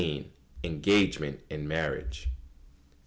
_ENGAGEMENT AND MARRIAGE.